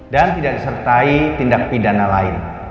dan tidak disertai tindak pidana lain